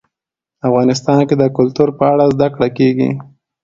افغانستان کې د کلتور په اړه زده کړه کېږي.